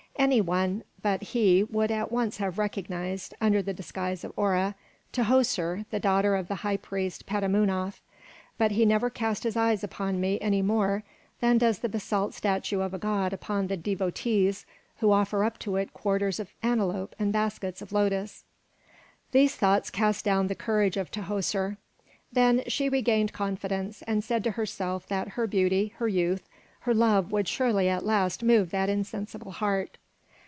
Any one but he would at once have recognised, under the disguise of Hora, Tahoser the daughter of the high priest Petamounoph; but he never cast his eyes upon me any more than does the basalt statue of a god upon the devotees who offer up to it quarters of antelope and baskets of lotus." These thoughts cast down the courage of Tahoser. Then she regained confidence, and said to herself that her beauty, her youth, her love would surely at last move that insensible heart.